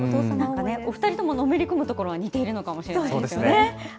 お２人とものめり込むところは似ているのかもしれないですね。